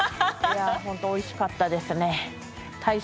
ホントおいしかったですね。